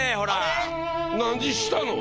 何したの？